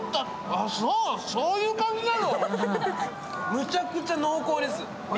むちゃくちゃ濃厚です。